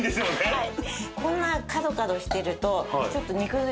はい。